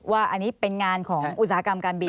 ว่าอันนี้เป็นงานของอุตสาหกรรมการบิน